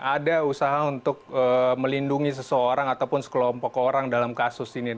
ada usaha untuk melindungi seseorang ataupun sekelompok orang dalam kasus ini